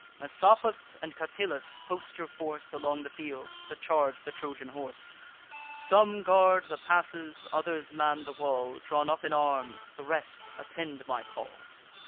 Messapus and Catillus, post your force Along the fields, to charge the Trojan horse. Some guard the passes, others man the wall; Drawn up in arms, the rest attend my call."